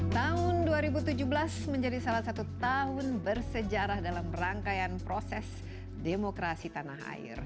tahun dua ribu tujuh belas menjadi salah satu tahun bersejarah dalam rangkaian proses demokrasi tanah air